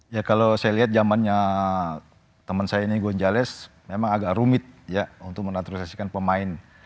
ya kalau saya lihat zamannya teman saya ini gonjalez memang agak rumit ya untuk mengaturisasikan pemain